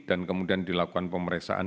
dan kemudian dilakukan pemeriksaan